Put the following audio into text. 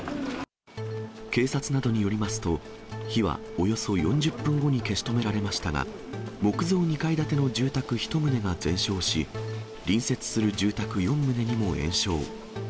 警察などによりますと、火はおよそ４０分後に消し止められましたが、木造２階建ての住宅１棟が全焼し、隣接する住宅４棟にも延焼。